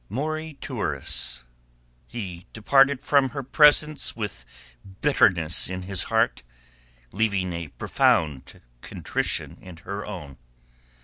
CHAPTER XXI. MORITURUS He departed from her presence with bitterness in his heart, leaving a profound contrition in her own.